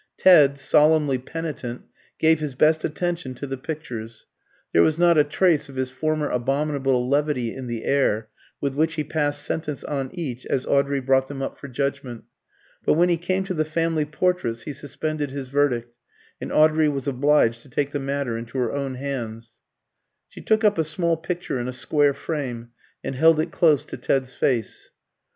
Ted, solemnly penitent, gave his best attention to the pictures: there was not a trace of his former abominable levity in the air with which he passed sentence on each as Audrey brought them up for judgment. But when he came to the family portraits he suspended his verdict, and Audrey was obliged to take the matter into her own hands. She took up a small picture in a square frame and held it close to Ted's face.